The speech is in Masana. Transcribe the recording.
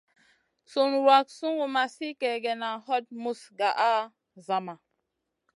Sùn wrak sungu ma sli kègèna, hot muz gaʼa a zama.